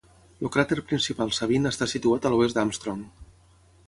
El cràter principal Sabine està situat a l'oest d'Armstrong.